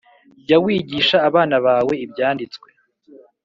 Jya wigisha abana bawe ibyanditswe